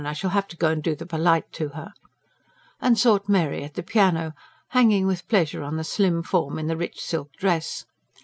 I shall have to go and do the polite to her"), and sought Mary at the piano, hanging with pleasure on the slim form in the rich silk dress.